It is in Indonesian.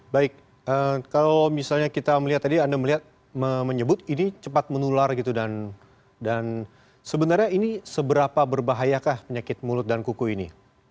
baik kalau misalnya kita melihat tadi anda melihat menyebut ini cepat menular gitu dan sebenarnya ini seberapa berbahayakah penyakit mulut dan kuku ini